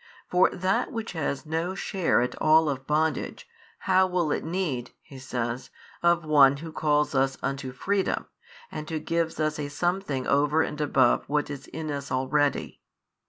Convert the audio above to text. For that |626 which has no share at all of bondage, how will it need (he says) of One Who calls us unto freedom, and Who gives us a something over and above what is in us already.